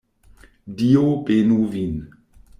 Dio benu vin.